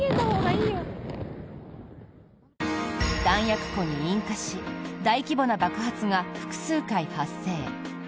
弾薬庫に引火し大規模な爆発が複数回発生。